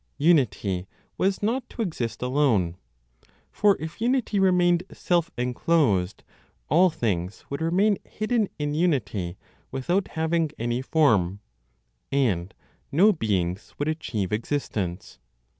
Unity was not to exist alone; for if unity remained self enclosed, all things would remain hidden in unity without having any form, and no beings would achieve existence.